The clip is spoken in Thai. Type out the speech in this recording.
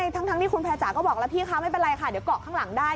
ทั้งที่คุณแพร่จ๋าก็บอกแล้วพี่คะไม่เป็นไรค่ะเดี๋ยวเกาะข้างหลังได้